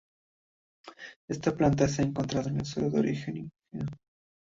Esta planta se ha encontrado en suelo de origen ígneo.